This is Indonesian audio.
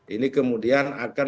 ini kemudian akan